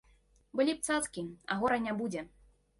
Былі б цацкі, а гора не будзе.